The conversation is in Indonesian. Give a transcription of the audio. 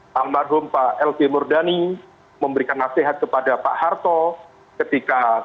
panggung pak l g murdani memberikan nasihat kepada pak harto ketika